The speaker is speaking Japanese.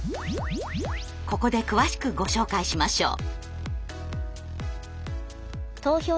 ここで詳しくご紹介しましょう。